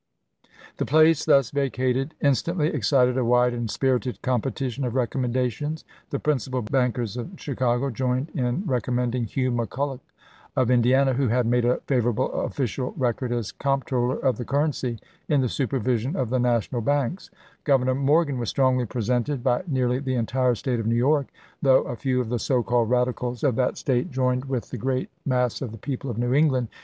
The place thus vacated instantly excited a wide and spirited competition of recommendations. The principal bankers of Chicago joined in rec ommending Hugh McCulloch of Indiana, who had made a favorable official record as Comptroller of the Currency in the supervision of the national banks; Governor Morgan was strongly presented by nearly the entire State of New York, though a few of the so called Radicals of that State joined CABINET CHANGES 349 with the great mass of the people of New England chap.